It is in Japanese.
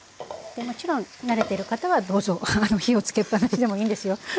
もちろん慣れてる方はどうぞ火をつけっぱなしでもいいんですよ。